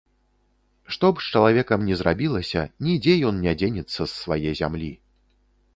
Што б з чалавекам ні зрабілася, нідзе ён не дзенецца з свае зямлі.